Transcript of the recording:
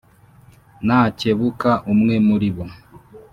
Nakebuka umwe muli bo